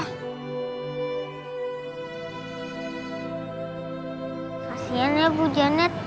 kasian ya bu janet